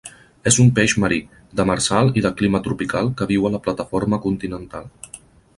És un peix marí, demersal i de clima tropical que viu a la plataforma continental.